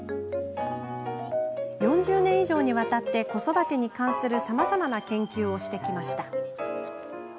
４０年以上にわたって子育てに関するさまざまな研究してきました。